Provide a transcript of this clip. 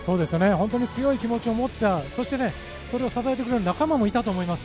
本当に強い気持ちを持っていてそれを支えてくれる仲間もいたと思います。